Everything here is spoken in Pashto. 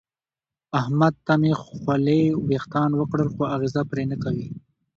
احمد ته مې خولې وېښتان وکړل خو اغېزه پرې نه کوي.